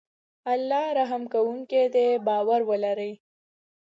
الله رحم کوونکی دی باور ولری